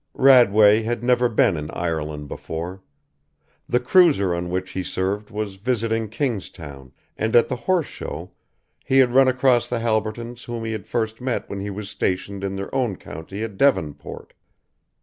Radway had never been in Ireland before. The cruiser on which he served was visiting Kingstown, and at the Horse Show he had run across the Halbertons whom he had met when he was stationed in their own county at Devonport.